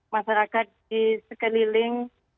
masyarakat di sekeliling